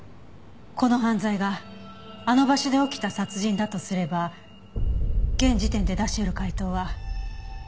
この犯罪があの場所で起きた殺人だとすれば現時点で出し得る解答は。